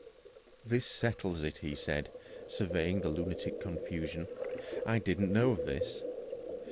"This settles it," he said, surveying the lunatic confusion. "I didn't know of this.